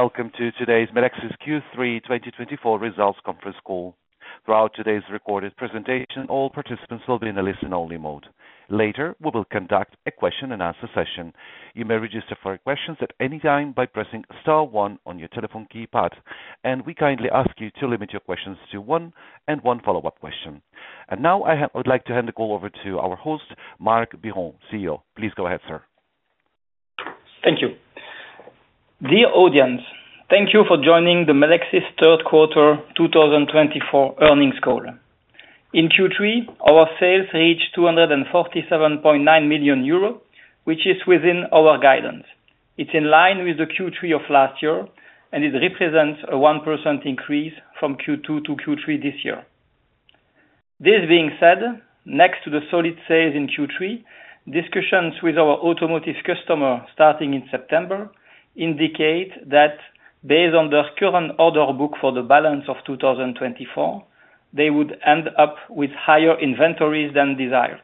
Welcome to today's Melexis Q3 2024 results conference call. Throughout today's recorded presentation, all participants will be in a listen-only mode. Later, we will conduct a question-and-answer session. You may register for questions at any time by pressing star one on your telephone keypad, and we kindly ask you to limit your questions to one and one follow-up question. And now, I would like to hand the call over to our host, Marc Biron, CEO. Please go ahead, sir. Thank you. Dear audience, thank you for joining the Melexis Q3 2024 earnings call. In Q3, our sales reached 247.9 million euros, which is within our guidance. It's in line with the Q3 of last year, and it represents a 1% increase from Q2 to Q3 this year. This being said, next to the solid sales in Q3, discussions with our automotive customers starting in September indicate that, based on their current order book for the balance of 2024, they would end up with higher inventories than desired.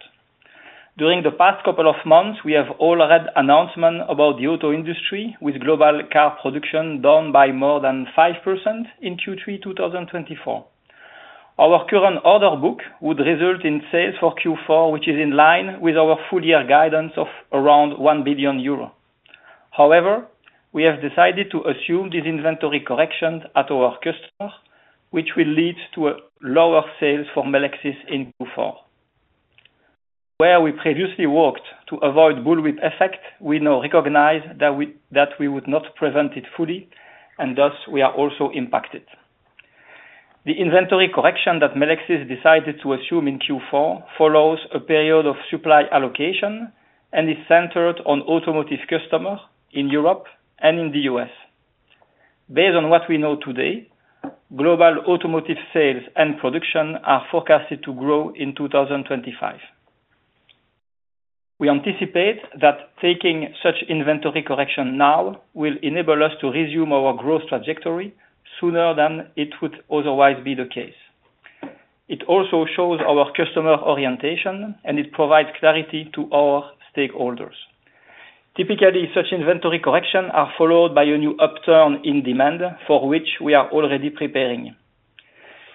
During the past couple of months, we have already had announcements about the auto industry, with global car production down by more than 5% in Q3 2024. Our current order book would result in sales for Q4, which is in line with our full-year guidance of around 1 billion euro. However, we have decided to assume these inventory corrections at our customers, which will lead to lower sales for Melexis in Q4. Where we previously worked to avoid bullwhip effect, we now recognize that we would not prevent it fully, and thus we are also impacted. The inventory correction that Melexis decided to assume in Q4 follows a period of supply allocation and is centered on automotive customers in Europe and in the U.S. Based on what we know today, global automotive sales and production are forecasted to grow in 2025. We anticipate that taking such inventory correction now will enable us to resume our growth trajectory sooner than it would otherwise be the case. It also shows our customer orientation, and it provides clarity to our stakeholders. Typically, such inventory corrections are followed by a new upturn in demand, for which we are already preparing.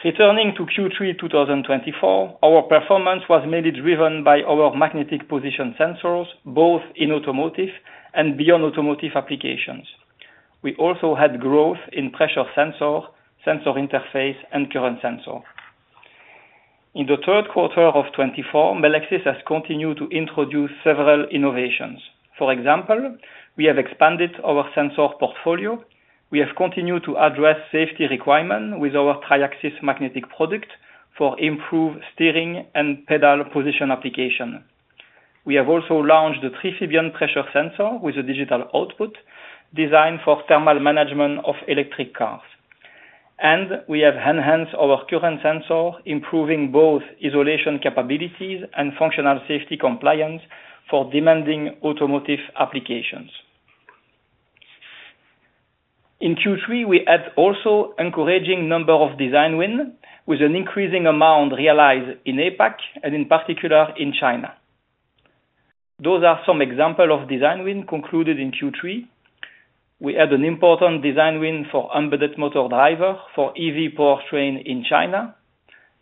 Returning to Q3 2024, our performance was mainly driven by our magnetic position sensors, both in automotive and beyond automotive applications. We also had growth in pressure sensor, sensor interface, and current sensor. In the Q3 of 2024, Melexis has continued to introduce several innovations. For example, we have expanded our sensor portfolio. We have continued to address safety requirements with our Triaxis magnetic product for improved steering and pedal position application. We have also launched the Triphibian pressure sensor with a digital output designed for thermal management of electric cars. And we have enhanced our current sensor, improving both isolation capabilities and functional safety compliance for demanding automotive applications. In Q3, we had also an encouraging number of design wins, with an increasing amount realized in APAC, and in particular in China. Those are some examples of design wins concluded in Q3. We had an important design win for embedded motor drivers for EV powertrain in China,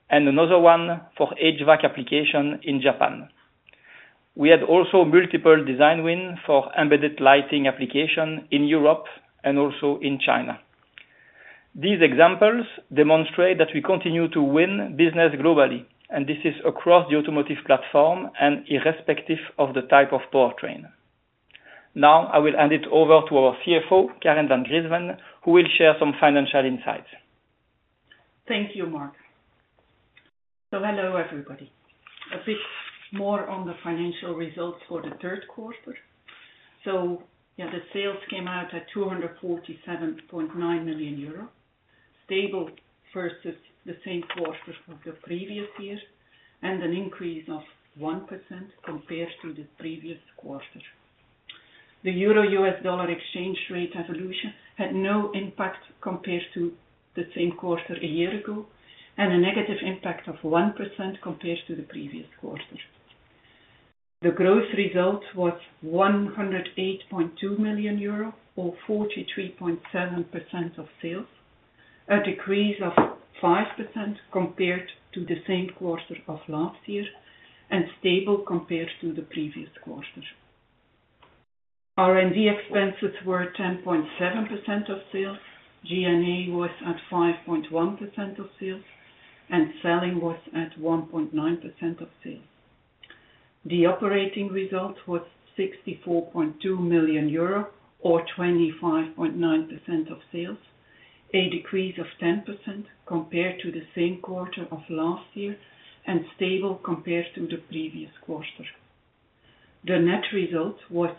and another one for HVAC application in Japan. We had also multiple design wins for embedded lighting application in Europe and also in China. These examples demonstrate that we continue to win business globally, and this is across the automotive platform and irrespective of the type of powertrain. Now, I will hand it over to our CFO, Karen Van Griensven, who will share some financial insights. Thank you, Marc. So hello, everybody. A bit more on the financial results for the Q3. So yeah, the sales came out at 247.9 million euros, stable versus the same quarter of the previous year, and an increase of 1% compared to the previous quarter. The EUR/USD exchange rate evolution had no impact compared to the same quarter a year ago, and a negative impact of 1% compared to the previous quarter. The gross result was 108.2 million euro, or 43.7% of sales, a decrease of 5% compared to the same quarter of last year, and stable compared to the previous quarter. R&D expenses were 10.7% of sales, G&A was at 5.1% of sales, and selling was at 1.9% of sales. The operating result was 64.2 million euro, or 25.9% of sales, a decrease of 10% compared to the same quarter of last year, and stable compared to the previous quarter. The net result was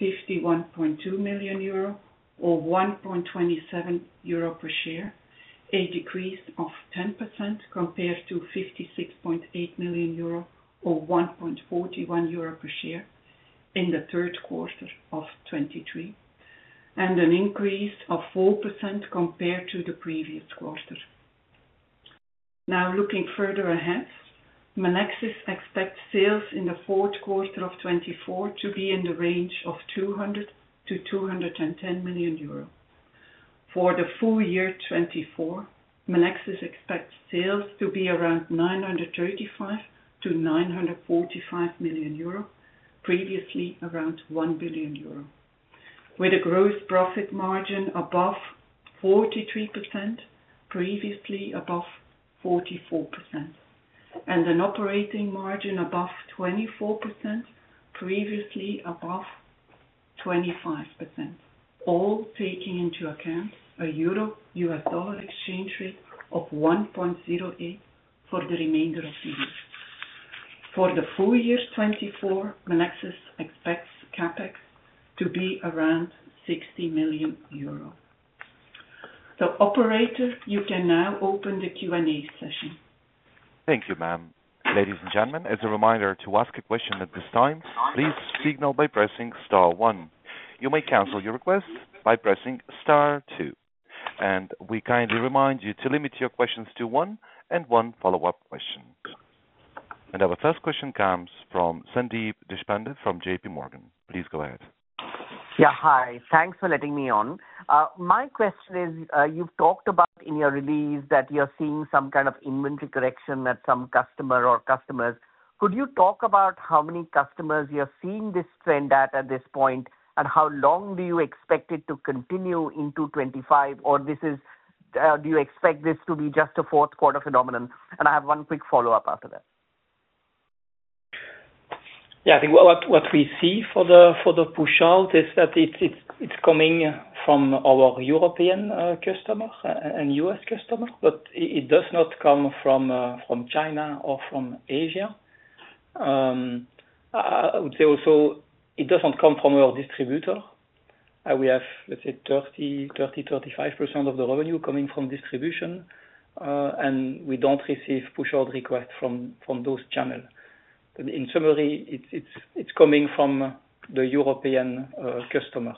51.2 million euro, or 1.27 euro per share, a decrease of 10% compared to 56.8 million euro, or 1.41 euro per share in the Q3 of 2023, and an increase of 4% compared to the previous quarter. Now, looking further ahead, Melexis expects sales in the Q4 of 2024 to be in the range of 200 to 210 million euro. For the full year 2024, Melexis expects sales to be around 935 to 945 million euro, previously around 1 billion euro, with a gross profit margin above 43%, previously above 44%, and an operating margin above 24%, previously above 25%, all taking into account a EUR/USD exchange rate of 1.08 for the remainder of the year. For the full year 2024, Melexis expects CapEx to be around 60 million euro. So, operator, you can now open the Q&A session. Thank you, ma'am. Ladies and gentlemen, as a reminder to ask a question at this time, please signal by pressing star one. You may cancel your request by pressing star two, and we kindly remind you to limit your questions to one and one follow-up question, and our first question comes from Sandeep Deshpande from J.P. Morgan. Please go ahead. Yeah, hi. Thanks for letting me on. My question is, you've talked about in your release that you're seeing some kind of inventory correction at some customer or customers. Could you talk about how many customers you're seeing this trend at at this point, and how long do you expect it to continue into 2025, or do you expect this to be just a fourth quarter phenomenon? And I have one quick follow-up after that. Yeah, I think what we see for the push-out is that it's coming from our European customers and US customers, but it does not come from China or from Asia. I would say also it doesn't come from our distributor. We have, let's say, 30%-35% of the revenue coming from distribution, and we don't receive push-out requests from those channels. In summary, it's coming from the European customer.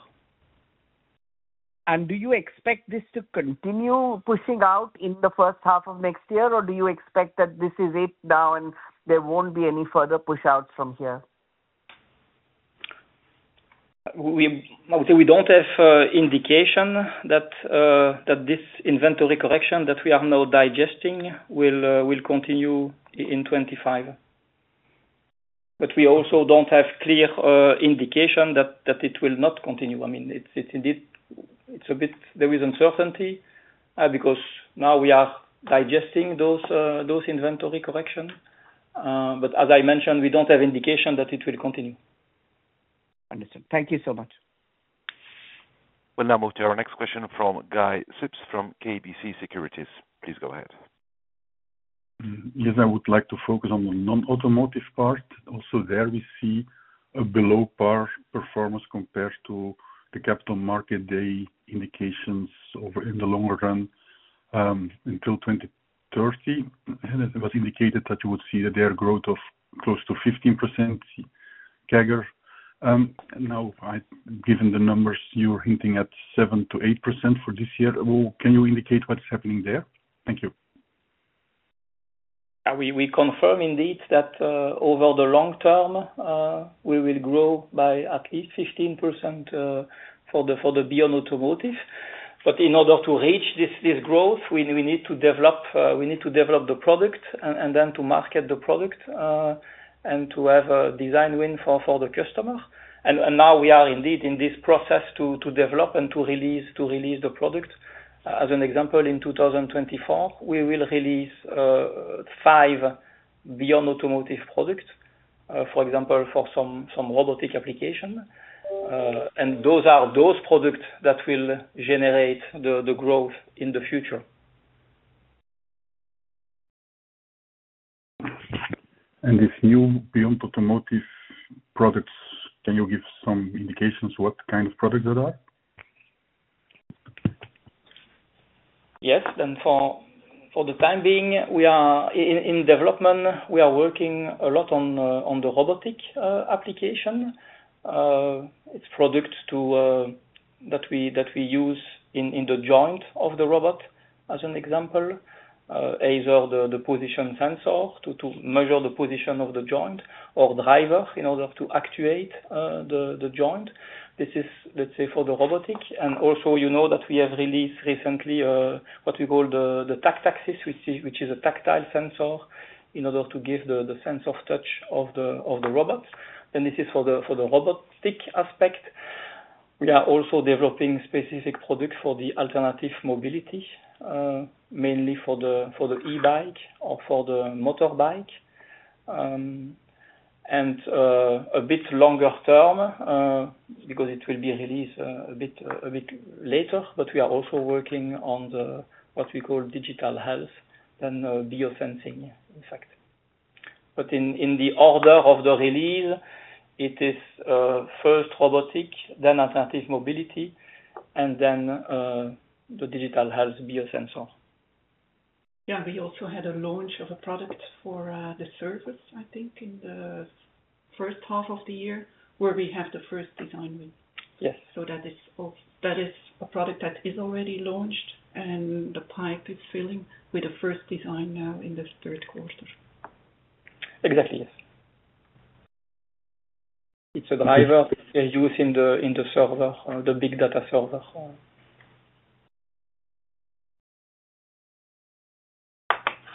Do you expect this to continue pushing out in the first half of next year, or do you expect that this is it now and there won't be any further push-outs from here? I would say we don't have indication that this inventory correction that we are now digesting will continue in 2025. But we also don't have clear indication that it will not continue. I mean, it's a bit, there is uncertainty because now we are digesting those inventory corrections. But as I mentioned, we don't have indication that it will continue. Understood. Thank you so much. We'll now move to our next question from Guy Sips from KBC Securities. Please go ahead. Yes, I would like to focus on the non-automotive part. Also, there we see a below par performance compared to the capital market day indications over in the longer run until 2030. And it was indicated that you would see their growth of close to 15% CAGR. Now, given the numbers, you're hinting at 7%-8% for this year. Can you indicate what's happening there? Thank you. We confirm indeed that over the long term, we will grow by at least 15% for the beyond automotive. But in order to reach this growth, we need to develop the product and then to market the product and to have a design win for the customer. And now we are indeed in this process to develop and to release the product. As an example, in 2024, we will release five beyond automotive products, for example, for some robotic application. And those are those products that will generate the growth in the future. These new beyond automotive products, can you give some indications what kind of products that are? Yes. And for the time being, in development, we are working a lot on the robotic application. It's products that we use in the joint of the robot, as an example, either the position sensor to measure the position of the joint or driver in order to actuate the joint. This is, let's say, for the robotic. And also, you know that we have released recently what we call the TactAxis, which is a tactile sensor in order to give the sense of touch of the robot. And this is for the robotic aspect. We are also developing specific products for the alternative mobility, mainly for the e-bike or for the motorbike. And a bit longer term, because it will be released a bit later, but we are also working on what we call digital health and biosensing, in fact. But in the order of the release, it is first robotic, then alternative mobility, and then the digital health biosensor. Yeah, we also had a launch of a product for the server, I think, in the first half of the year, where we have the first design win. So that is a product that is already launched, and the pipe is filling with the first design now in the third quarter. Exactly, yes. It's a driver used in the server, the big data server.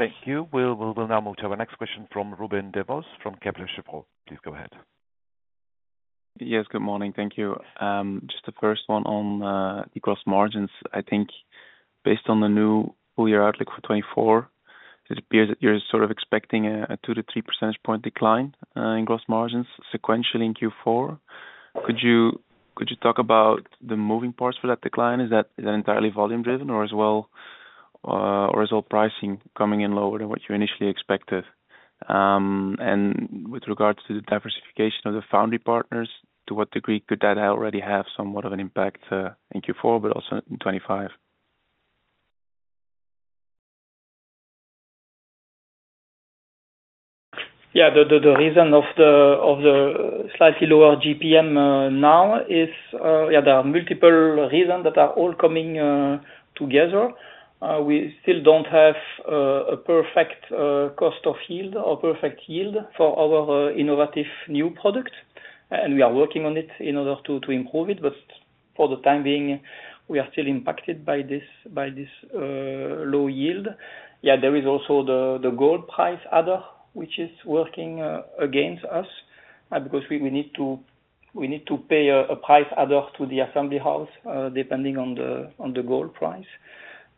Thank you. We'll now move to our next question from Ruben Devos from Kepler Cheuvreux. Please go ahead. Yes, good morning. Thank you. Just the first one on the gross margins. I think based on the new full-year outlook for 2024, it appears that you're sort of expecting a 2-3 percentage point decline in gross margins sequentially in Q4. Could you talk about the moving parts for that decline? Is that entirely volume-driven, or is all pricing coming in lower than what you initially expected? And with regards to the diversification of the foundry partners, to what degree could that already have somewhat of an impact in Q4, but also in 2025? Yeah, the reason of the slightly lower GPM now is, yeah, there are multiple reasons that are all coming together. We still don't have a perfect cost of yield or perfect yield for our innovative new product. And we are working on it in order to improve it. But for the time being, we are still impacted by this low yield. Yeah, there is also the gold price adder, which is working against us because we need to pay a price adder to the assembly house depending on the gold price.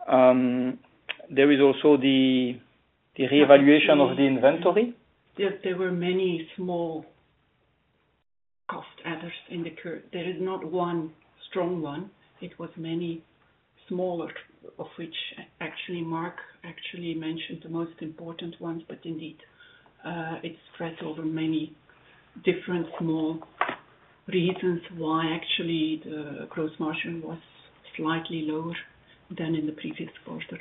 There is also the re-evaluation of the inventory. Yes, there were many small cost adders in the curve. There is not one strong one. It was many smaller, of which actually Marc actually mentioned the most important ones, but indeed, it spreads over many different small reasons why actually the gross margin was slightly lower than in the previous quarter.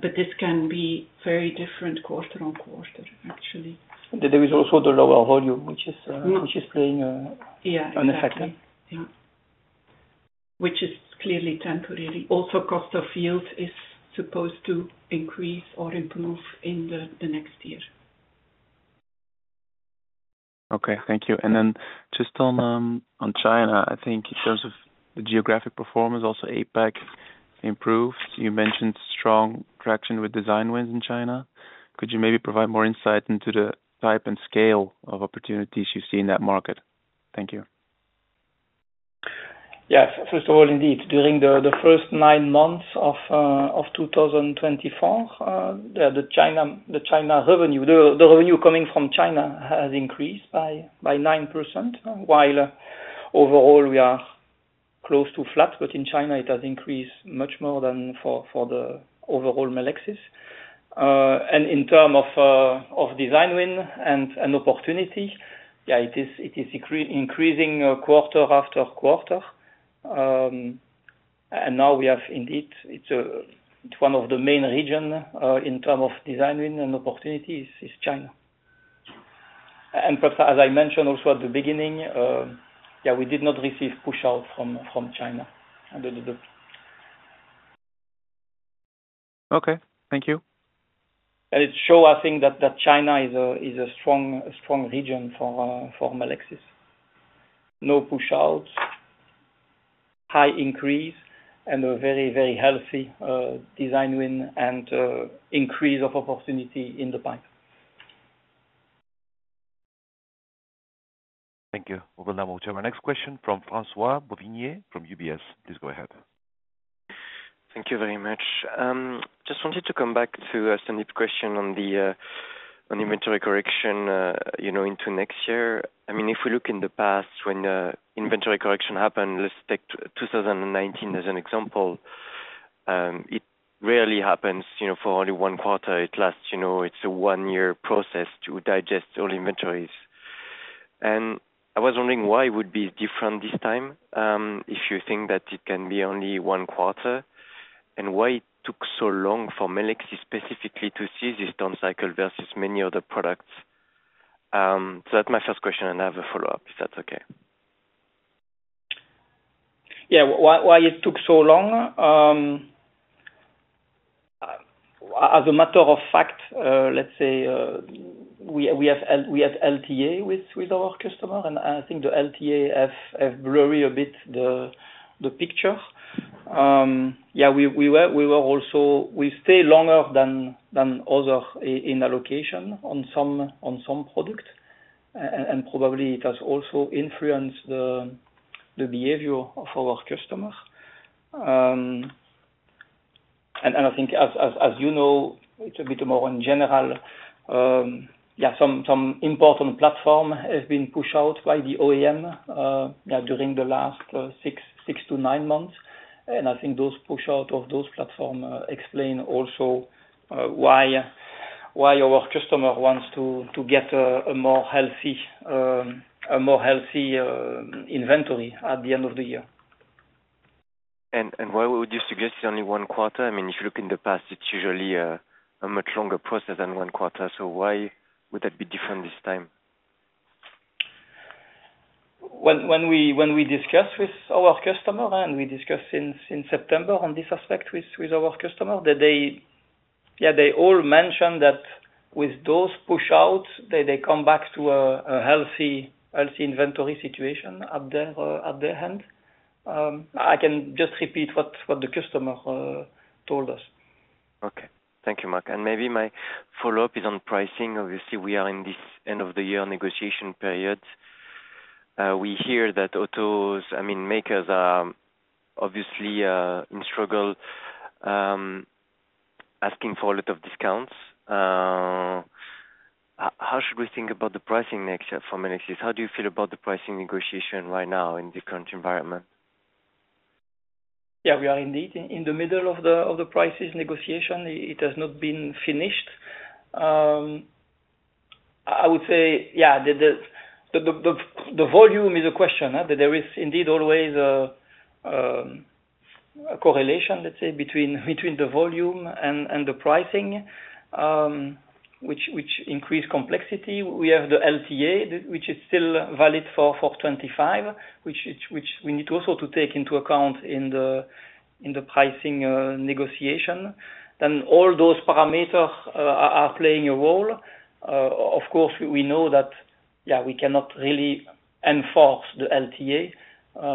But this can be very different quarter on quarter, actually. There is also the lower volume, which is playing an effect. Yeah, exactly. Yeah. Which is clearly temporary. Also, cost of yield is supposed to increase or improve in the next year. Okay, thank you. And then just on China, I think in terms of the geographic performance, also APAC improved. You mentioned strong traction with design wins in China. Could you maybe provide more insight into the type and scale of opportunities you see in that market? Thank you. Yeah, first of all, indeed, during the first nine months of 2024, the China revenue, the revenue coming from China has increased by 9%, while overall we are close to flat. But in China, it has increased much more than for the overall Melexis. And in terms of design win and opportunity, yeah, it is increasing quarter after quarter. And now we have indeed, it's one of the main regions in terms of design win and opportunity is China. And perhaps, as I mentioned also at the beginning, yeah, we did not receive push-out from China. Okay, thank you. It shows, I think, that China is a strong region for Melexis. No push-outs, high increase, and a very, very healthy design win and increase of opportunity in the pipe. Thank you. We will now move to our next question from François-Xavier Bouvignies from UBS. Please go ahead. Thank you very much. Just wanted to come back to a snipped question on the inventory correction into next year. I mean, if we look in the past when inventory correction happened, let's take 2019 as an example, it rarely happens for only one quarter. It lasts, it's a one-year process to digest all inventories. And I was wondering why it would be different this time if you think that it can be only one quarter and why it took so long for Melexis specifically to see this down cycle versus many other products. So that's my first question, and I have a follow-up if that's okay. Yeah, why it took so long? As a matter of fact, let's say we have LTA with our customer, and I think the LTA has blurred a bit the picture. Yeah, we were also, we stayed longer than others in allocation on some products, and probably it has also influenced the behavior of our customers. And I think, as you know, it's a bit more in general, yeah, some important platforms have been pushed out by the OEM during the last six to nine months. And I think those pushouts of those platforms explain also why our customer wants to get a more healthy inventory at the end of the year. Why would you suggest it's only one quarter? I mean, if you look in the past, it's usually a much longer process than one quarter. Why would that be different this time? When we discuss with our customer, and we discussed in September on this aspect with our customer, yeah, they all mentioned that with those push-outs, they come back to a healthy inventory situation at their hand. I can just repeat what the customer told us. Okay. Thank you, Marc. And maybe my follow-up is on pricing. Obviously, we are in this end-of-the-year negotiation period. We hear that autos, I mean, makers are obviously in struggle asking for a lot of discounts. How should we think about the pricing next year for Melexis? How do you feel about the pricing negotiation right now in this current environment? Yeah, we are indeed in the middle of the pricing negotiation. It has not been finished. I would say, yeah, the volume is a question. There is indeed always a correlation, let's say, between the volume and the pricing, which increase complexity. We have the LTA, which is still valid for 2025, which we need also to take into account in the pricing negotiation, and all those parameters are playing a role. Of course, we know that, yeah, we cannot really enforce the LTA,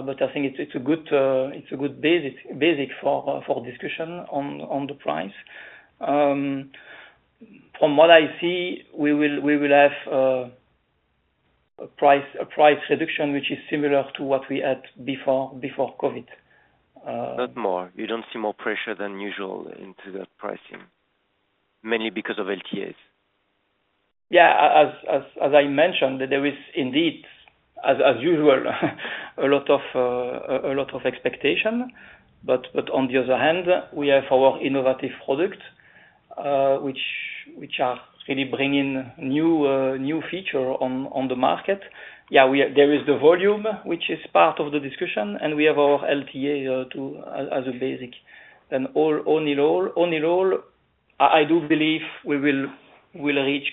but I think it's a good basis for discussion on the price. From what I see, we will have a price reduction, which is similar to what we had before COVID. Not more. You don't see more pressure than usual into the pricing, mainly because of LTAs? Yeah, as I mentioned, there is indeed, as usual, a lot of expectation. But on the other hand, we have our innovative products, which are really bringing new features on the market. Yeah, there is the volume, which is part of the discussion, and we have our LTA as a base. And only rule, I do believe we will reach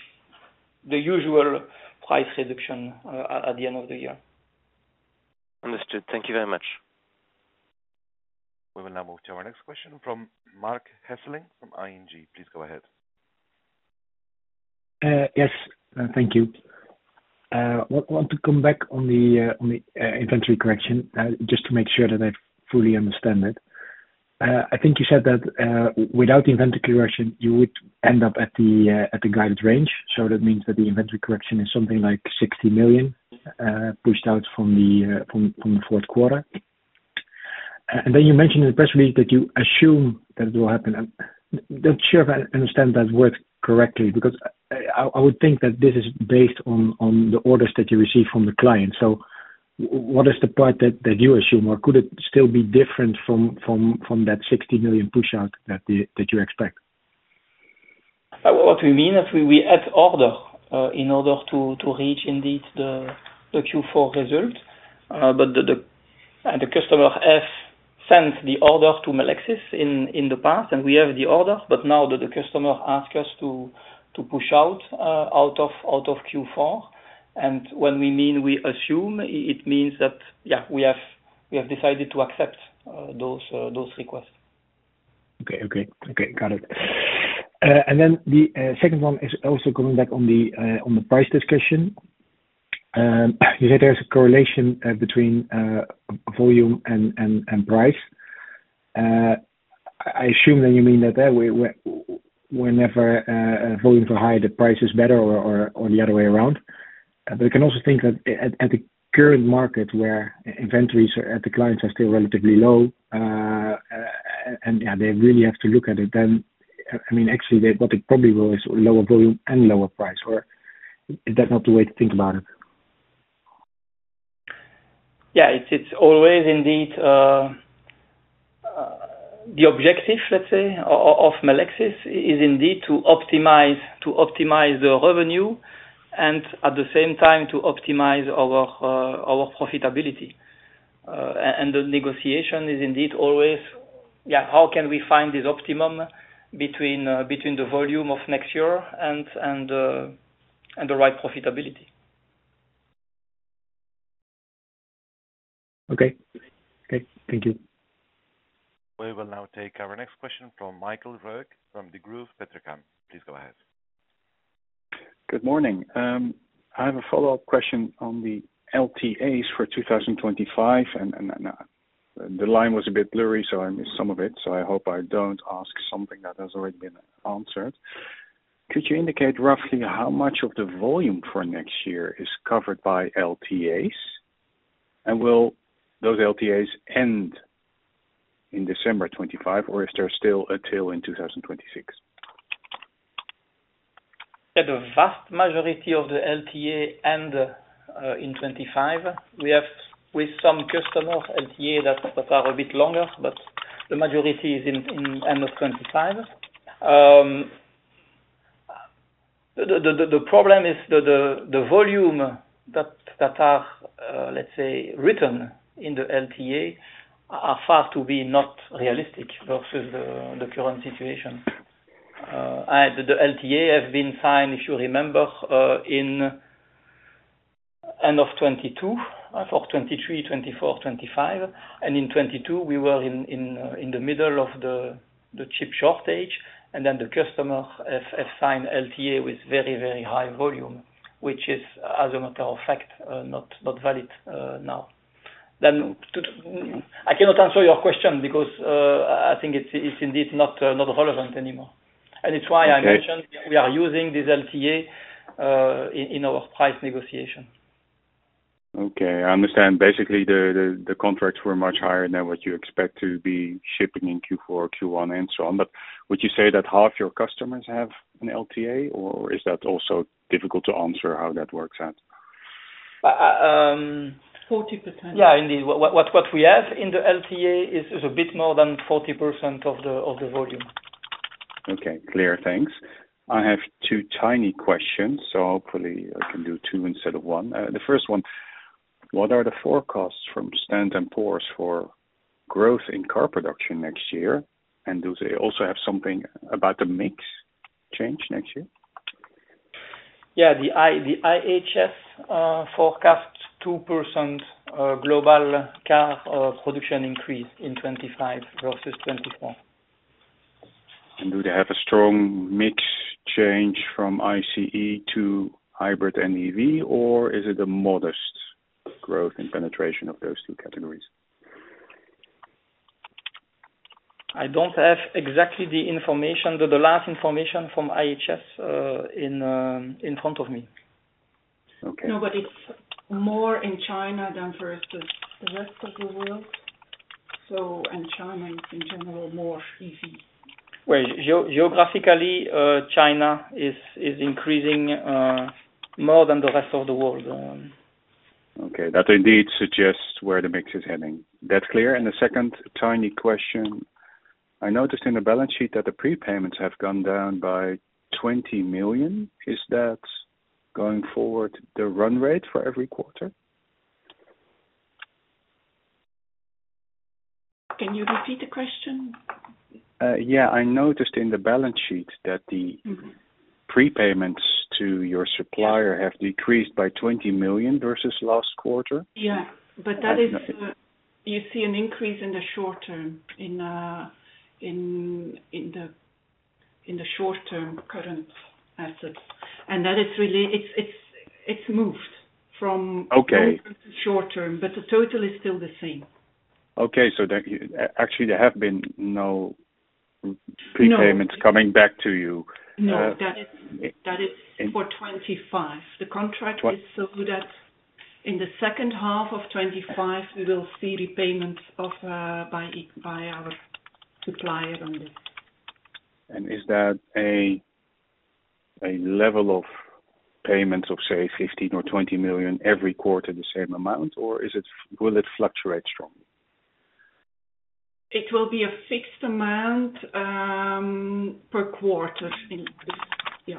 the usual price reduction at the end of the year. Understood. Thank you very much. We will now move to our next question from Marc Hesselink from ING. Please go ahead. Yes, thank you. I want to come back on the inventory correction just to make sure that I fully understand it. I think you said that without inventory correction, you would end up at the guided range. So that means that the inventory correction is something like 60 million pushed out from the fourth quarter. And then you mentioned in the press release that you assume that it will happen. Not sure if I understand that word correctly, because I would think that this is based on the orders that you receive from the client. So what is the part that you assume, or could it still be different from that 60 million push-out that you expect? What we mean is we had orders in order to reach indeed the Q4 result. But the customer has sent the order to Melexis in the past, and we have the order, but now the customer asks us to push out of Q4. And when we mean we assume, it means that, yeah, we have decided to accept those requests. Okay, got it. And then the second one is also coming back on the price discussion. You said there's a correlation between volume and price. I assume that you mean that whenever volumes are higher, the price is better or the other way around. But I can also think that at the current market where inventories at the clients are still relatively low, and yeah, they really have to look at it, then I mean, actually, what it probably will is lower volume and lower price. Or is that not the way to think about it? Yeah, it's always indeed the objective, let's say, of Melexis is indeed to optimize the revenue and at the same time to optimize our profitability. And the negotiation is indeed always, yeah, how can we find this optimum between the volume of next year and the right profitability? Okay. Okay, thank you. We will now take our next question from Michael Roeg from Degroof Petercam. Please go ahead. Good morning. I have a follow-up question on the LTAs for 2025. And the line was a bit blurry, so I missed some of it. So I hope I don't ask something that has already been answered. Could you indicate roughly how much of the volume for next year is covered by LTAs? And will those LTAs end in December 2025, or is there still a tail in 2026? Yeah, the vast majority of the LTA end in 2025. We have with some customers LTA that are a bit longer, but the majority is in end of 2025. The problem is the volume that are, let's say, written in the LTA are far to be not realistic versus the current situation. The LTA has been signed, if you remember, in end of 2022 for 2023, 2024, 2025, and in 2022, we were in the middle of the chip shortage. And then the customer has signed LTA with very, very high volume, which is, as a matter of fact, not valid now. Then I cannot answer your question because I think it's indeed not relevant anymore. And it's why I mentioned we are using this LTA in our price negotiation. Okay. I understand. Basically, the contracts were much higher than what you expect to be shipping in Q4, Q1, and so on. But would you say that half your customers have an LTA, or is that also difficult to answer how that works out? 40%. Yeah, indeed. What we have in the LTA is a bit more than 40% of the volume. Okay. Clear. Thanks. I have two tiny questions, so hopefully I can do two instead of one. The first one, what are the forecasts from Standard & Poor's for growth in car production next year? And do they also have something about the mix change next year? Yeah, the IHS forecast 2% global car production increase in 2025 versus 2024. Do they have a strong mix change from ICE to hybrid NEV, or is it a modest growth and penetration of those two categories? I don't have exactly the information, the last information from IHS in front of me. No, but it's more in China than for the rest of the world. So in China, it's in general more easy. Geographically, China is increasing more than the rest of the world. Okay. That indeed suggests where the mix is heading. That's clear. And the second tiny question, I noticed in the balance sheet that the prepayments have gone down by 20 million. Is that going forward the run rate for every quarter? Can you repeat the question? Yeah. I noticed in the balance sheet that the prepayments to your supplier have decreased by 20 million versus last quarter. Yeah. But that is, you see, an increase in the short term in the short-term current assets. And that is really. It's moved from short term to short term, but the total is still the same. Okay. So actually, there have been no prepayments coming back to you. No, that is for 2025. The contract is so that in the second half of 2025, we will see repayments by our supplier on this. Is that a level of payments of, say, 15 million or 20 million every quarter, the same amount, or will it fluctuate strongly? It will be a fixed amount per quarter. Yeah.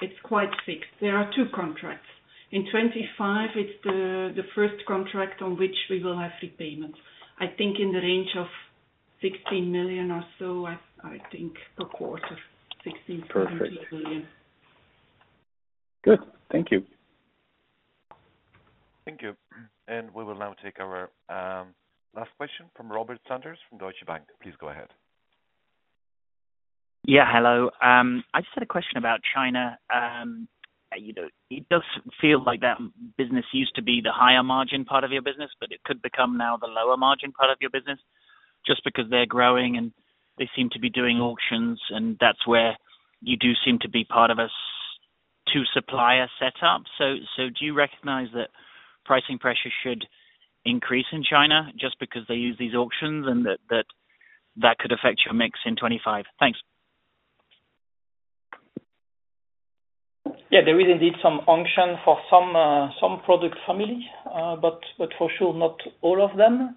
It's quite fixed. There are two contracts. In 2025, it's the first contract on which we will have repayments. I think in the range of 16 million or so, I think per quarter, 16 million-20 million. Perfect. Good. Thank you. Thank you. And we will now take our last question from Robert Sanders from Deutsche Bank. Please go ahead. Yeah. Hello. I just had a question about China. It does feel like that business used to be the higher margin part of your business, but it could become now the lower margin part of your business just because they're growing and they seem to be doing auctions, and that's where you do seem to be part of a two-supplier setup. So do you recognize that pricing pressure should increase in China just because they use these auctions and that that could affect your mix in 2025? Thanks. Yeah, there is indeed some auction for some product families, but for sure, not all of them.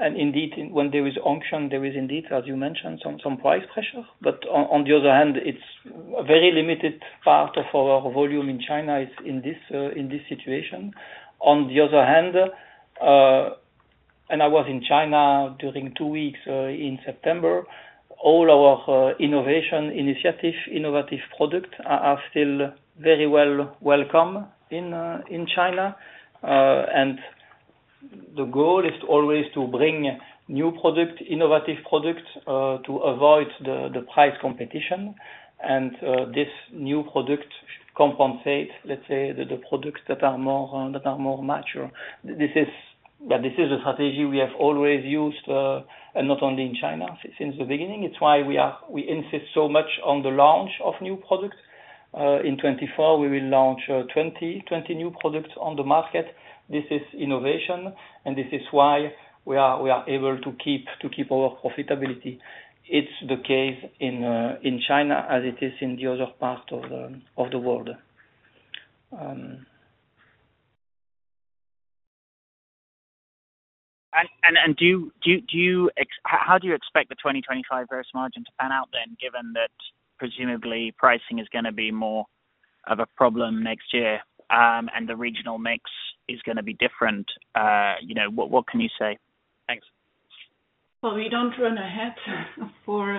And indeed, when there is auction, there is indeed, as you mentioned, some price pressure. But on the other hand, it's a very limited part of our volume in China in this situation. On the other hand, and I was in China during two weeks in September, all our innovation initiative, innovative products are still very well welcome in China. And the goal is always to bring new products, innovative products to avoid the price competition. And this new product compensates, let's say, the products that are more mature. This is the strategy we have always used, and not only in China since the beginning. It's why we insist so much on the launch of new products. In 2024, we will launch 20 new products on the market. This is innovation, and this is why we are able to keep our profitability. It's the case in China as it is in the other part of the world. How do you expect the 2025 gross margin to pan out then, given that presumably pricing is going to be more of a problem next year and the regional mix is going to be different? What can you say? Thanks. We don't run ahead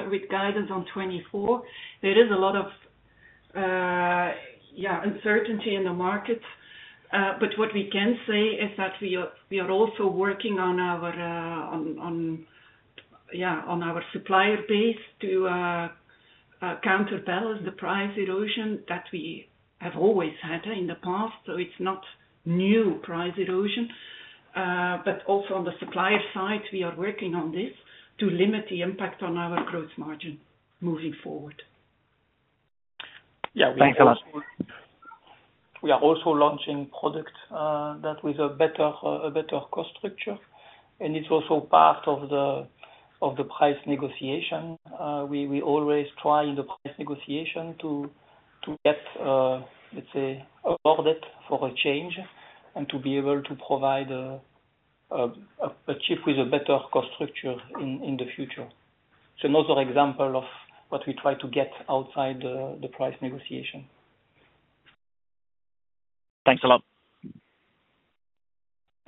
with guidance on 2024. There is a lot of, yeah, uncertainty in the market. But what we can say is that we are also working on our supplier base to counterbalance the price erosion that we have always had in the past. So it's not new price erosion. But also on the supplier side, we are working on this to limit the impact on our gross margin moving forward. Yeah.Thanks a lot. We are also launching products that with a better cost structure, and it's also part of the price negotiation. We always try in the price negotiation to get, let's say, an audit for a change and to be able to provide a chip with a better cost structure in the future, so another example of what we try to get outside the price negotiation. Thanks a lot.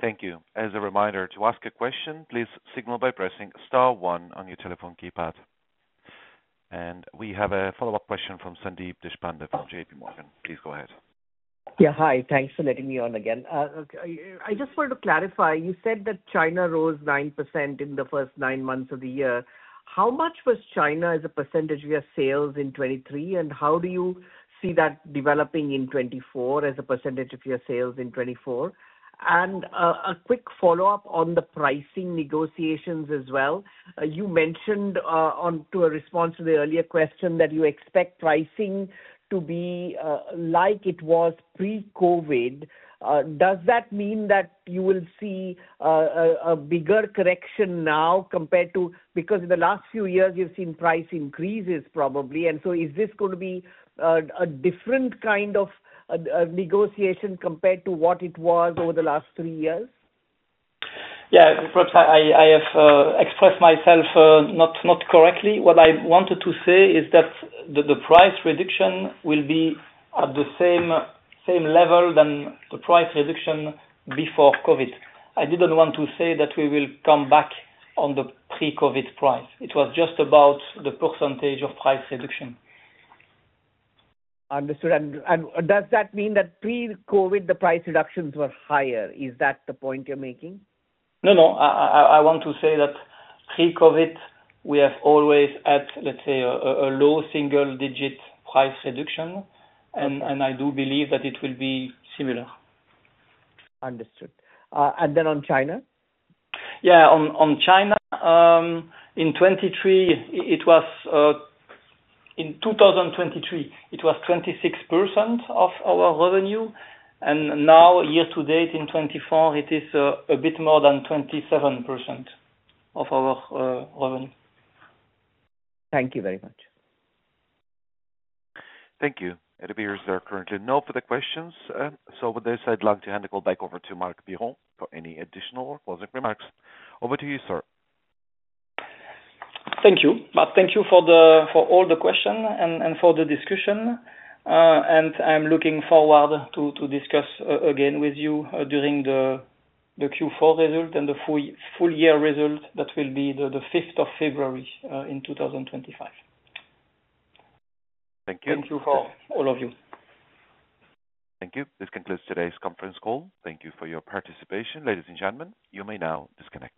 Thank you. As a reminder, to ask a question, please signal by pressing star one on your telephone keypad. And we have a follow-up question from Sandeep Deshpande from J.P. Morgan. Please go ahead. Yeah. Hi. Thanks for letting me on again. I just wanted to clarify. You said that China rose 9% in the first nine months of the year. How much was China as a percentage of your sales in 2023? And how do you see that developing in 2024 as a percentage of your sales in 2024? And a quick follow-up on the pricing negotiations as well. You mentioned, to respond to the earlier question, that you expect pricing to be like it was pre-COVID. Does that mean that you will see a bigger correction now compared to, because in the last few years, you've seen price increases probably? And so is this going to be a different kind of negotiation compared to what it was over the last three years? Yeah. Perhaps I have expressed myself not correctly. What I wanted to say is that the price reduction will be at the same level than the price reduction before COVID. I didn't want to say that we will come back on the pre-COVID price. It was just about the percentage of price reduction. Understood. And does that mean that pre-COVID, the price reductions were higher? Is that the point you're making? No, no. I want to say that pre-COVID, we have always had, let's say, a low single-digit price reduction, and I do believe that it will be similar. Understood. And then on China? Yeah. On China, in 2023, it was 26% of our revenue, and now, year to date, in 2024, it is a bit more than 27% of our revenue. Thank you very much. Thank you. I believe there are currently no further questions. So with this, I'd like to hand the call back over to Marc Biron for any additional or closing remarks. Over to you, sir. Thank you. But thank you for all the questions and for the discussion. And I'm looking forward to discuss again with you during the Q4 result and the full year result that will be the 5th of February in 2025. Thank you. Thank you for all of you. Thank you. This concludes today's conference call. Thank you for your participation. Ladies and gentlemen, you may now disconnect.